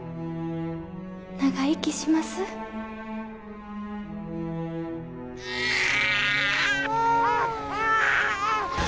長生きします